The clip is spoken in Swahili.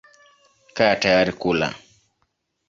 Kaa tayari kula.